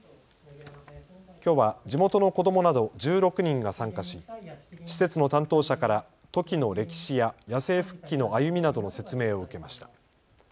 きょうは地元の子どもなど１６人が参加し施設の担当者からトキの歴史や野生復帰の歩みなどの説明を受けました。